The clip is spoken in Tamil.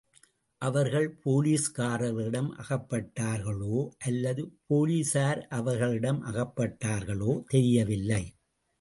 அவர்கள் போலீஸ்காரர்களிடம் அகப்பட்டார்களோ அல்லது போலீசார் அவர்களிடம் அகப்பட்டார்களோ தெரியவில்லை.